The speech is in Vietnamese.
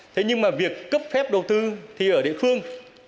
thế nhưng mà việc cấp phép đầu tư thì ở địa phương